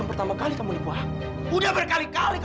para dengar suara teriak